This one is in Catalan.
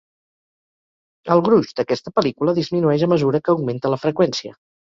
El gruix d'aquesta pel·lícula disminueix a mesura que augmenta la freqüència.